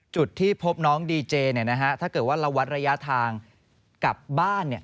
จุดที่พบน้องดีเจเนี่ยนะฮะถ้าเกิดว่าเราวัดระยะทางกลับบ้าน